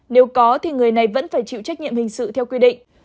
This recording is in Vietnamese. nếu có thì người này vẫn phải chịu trách nhiệm hình sự theo quy định